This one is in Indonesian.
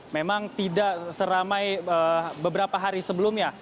memang tidak seramai beberapa hari sebelumnya